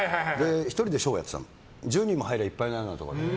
１人でショーをやってたの１０人でいっぱいになるようなところで。